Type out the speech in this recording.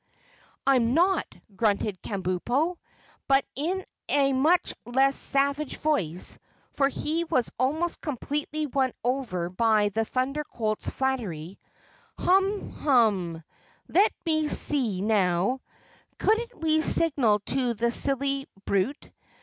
"I'm not!" grunted Kabumpo, but in a much less savage voice, for he was almost completely won over by the Thunder Colt's flattery. "Hmmm hhh, let me see, now, couldn't we signal to the silly brute?